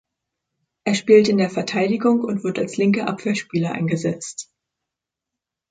Er spielt in der Verteidigung und wird als linker Abwehrspieler eingesetzt.